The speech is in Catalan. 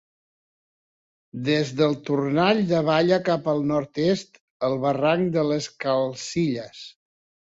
Des del Tornall davalla cap al nord-est el Barranc de les Calcilles.